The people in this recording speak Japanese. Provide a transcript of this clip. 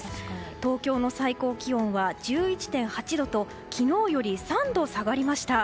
東京の最高気温は１１．８度と昨日より３度下がりました。